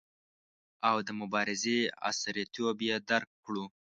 او د مبارزې عصریتوب یې درک کړو.